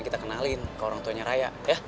kita kenalin ke orang tuanya raya